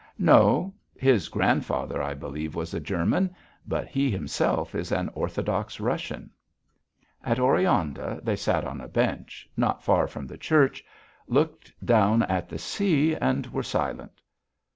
"No. His grandfather, I believe, was a German, but he himself is an Orthodox Russian." At Oreanda they sat on a bench, not far from the church, looked down at the sea and were silent.